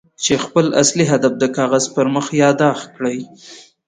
چې خپل اصلي هدف د کاغذ پر مخ ياداښت کړئ.